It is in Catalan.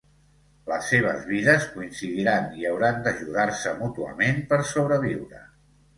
Les seves vides coincidiran i hauran d'ajudar-se mútuament per sobreviure.